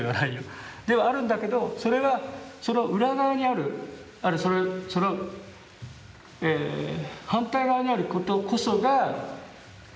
ではあるんだけどそれはその裏側にあるその反対側にあることこそが。